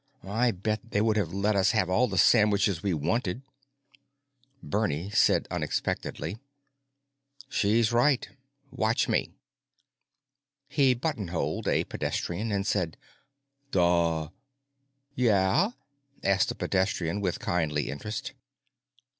I'll bet they would have let us have all the sandwiches we wanted." Bernie said unexpectedly, "She's right. Watch me." He buttonholed a pedestrian and said, "Duh." "Yeah?" asked the pedestrian with kindly interest.